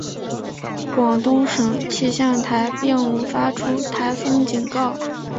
广东省气象台并无发出台风警告。